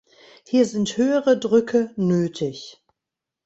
Hier sind höhere Drücke nötig.